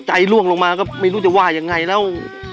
ล่วงลงมาก็ไม่รู้จะว่ายังไงแล้ว